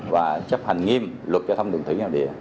và chấp hành nghiêm luật giao thông thủy